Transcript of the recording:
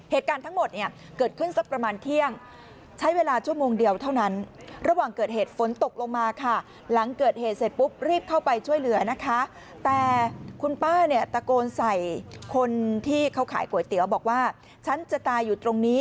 เหตุการณ์ทั้งหมดเกิดขึ้นสักประมาณเที่ยงใช้เวลาชั่วโมงเดียวเท่านั้น